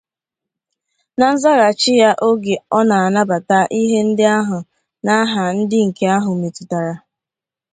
Na nzaghachi ya oge ọ na-anabata ihe ndị ahụ n'aha ndị nke ahụ metụtara